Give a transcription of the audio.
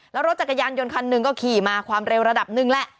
แล้วรถจักรยานยนต์คันหนึ่งก็ขี่มาความเร็วระดับหนึ่งแหละ